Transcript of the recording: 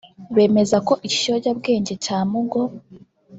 Bemeza ko iki kiyobyabwenge cya Mugo